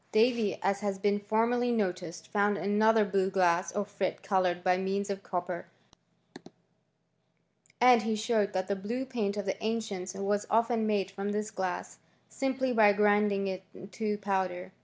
Davy, as has been formerly noticed, found anothef blue glass, or frit, coloured by means of copper ; and he showed that the blue paint of the ancients wai often made from this glass, simply by grinding it to powder.